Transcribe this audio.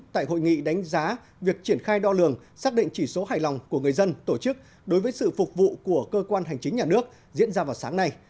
tại hội nghị đánh giá việc triển khai đo lường xác định chỉ số hài lòng của người dân tổ chức đối với sự phục vụ của cơ quan hành chính nhà nước diễn ra vào sáng nay